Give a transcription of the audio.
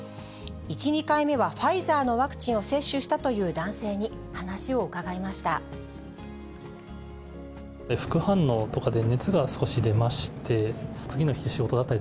１、２回目は、ファイザーのワクチンを接種したという男性に話を伺いました。